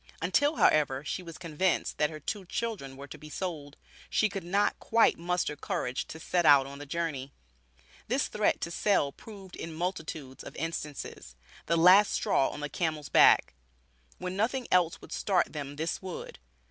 Until, however, she was convinced that her two children were to be sold, she could not quite muster courage to set out on the journey. This threat to sell proved in multitudes of instances, "the last straw on the camel's back." When nothing else would start them this would.